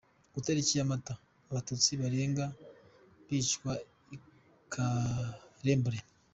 Ku itariki ya Mata : Abatutsi barenga bicirwa i Karembure.